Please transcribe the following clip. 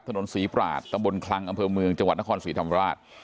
ถนนศรีปราชตำบลคลังอำเภอเมืองจังหวัดนครศรีธรรมราช